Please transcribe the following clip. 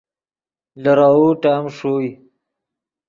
لیروؤ ٹیم ݰوئے